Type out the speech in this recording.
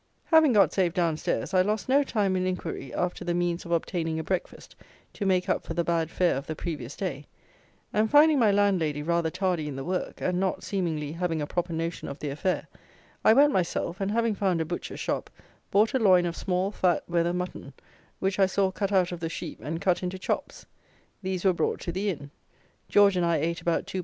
Having got safe downstairs, I lost no time in inquiry after the means of obtaining a breakfast to make up for the bad fare of the previous day; and finding my landlady rather tardy in the work, and not, seemingly, having a proper notion of the affair, I went myself, and, having found a butcher's shop, bought a loin of small, fat, wether mutton, which I saw cut out of the sheep and cut into chops. These were brought to the inn; George and I ate about 2lb.